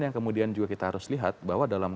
yang kemudian juga kita harus lihat bahwa dalam